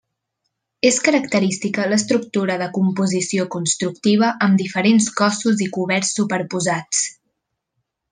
És característica l'estructura de composició constructiva amb diferents cossos i coberts superposats.